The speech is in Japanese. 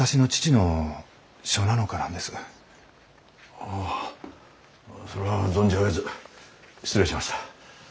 ああそれは存じ上げず失礼しました。